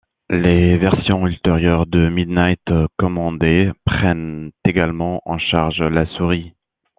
Les versions ultérieures de Midnight Commander prennent également en charge la souris.